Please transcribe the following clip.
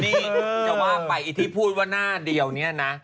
นี่จะว่าไปไอ้ที่พูดว่าหน้าเดียวเนี่ยนะ